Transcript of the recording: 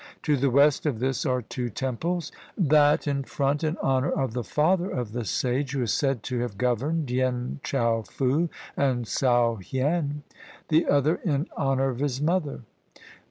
To the west of this are two temples; that in front, in honor of the father of the sage, who is said to have governed Yen chow fu and Tsow hien; the other in honor of his mother.